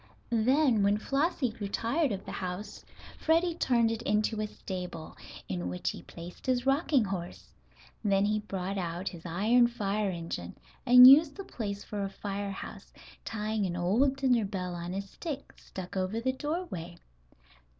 Then, when Flossie grew tired of the house, Freddie turned it into a stable, in which he placed his rocking horse. Then he brought out his iron fire engine, and used the place for a fire house, tying an old dinner bell on a stick, stuck over the doorway.